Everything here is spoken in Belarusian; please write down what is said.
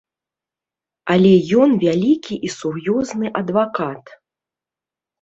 Але ён вялікі і сур'ёзны адвакат.